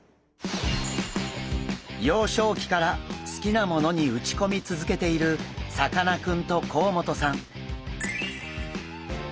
幼少期から好きなものに打ち込み続けているさかなクンと甲本さん。